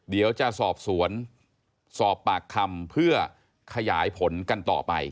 เดี๋ยวจะสอบสวนสอบปากคำเพื่อขยายผลกันต่อไป